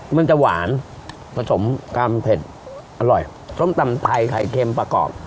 มันจะหวานผสมความเผ็ดอร่อยส้มตำไทยไข่เค็มประกอบ